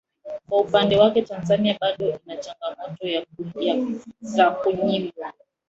Kwa upande wake Tanzania bado inachangamoto za kuminywa